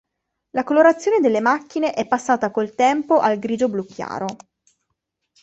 La colorazione delle macchine è passata col tempo al grigio-blu chiaro.